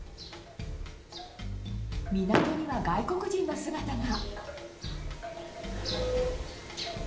港には外国人の姿が。